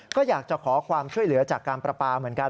ก็อยากจะขอความช่วยเหลือจากการประปาเหมือนกัน